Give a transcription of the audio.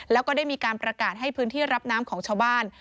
แล้วก็ได้มีการประกาศให้พื้นที่รับน้ำของชาวบ้าน